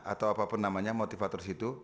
atau apapun namanya motivator situ